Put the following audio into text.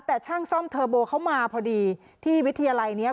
แต่ช่างซ่อมเทอร์โบเขามาพอดีที่วิทยาลัยเนี้ย